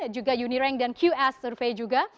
juga unirank dan qs survey juga